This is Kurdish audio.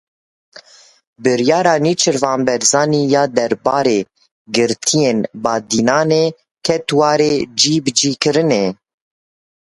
Biryara Nêçîrvan Barzanî ya derbarê girtiyên Badînanê ket warê cîbicîkirinê.